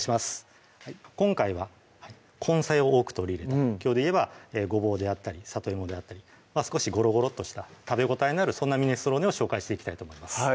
今回は根菜を多く取り入れたきょうでいえばごぼうであったりさといもであったり少しゴロゴロとした食べ応えのあるそんなミネストローネを紹介していきたいと思います